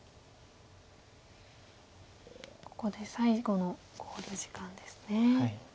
ここで最後の考慮時間ですね。